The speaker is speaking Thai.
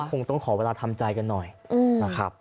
คงต้องขอเวลาทำใจกันหน่อยนะครับ